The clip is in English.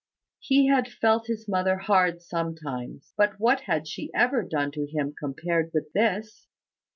He had felt his mother hard sometimes; but what had she ever done to him compared with this?